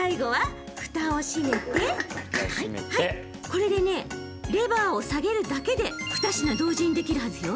これでねレバーを下げるだけで２品同時にできるはずよ。